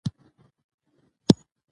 د ښه دولت بنسټ پر قانون ولاړ يي.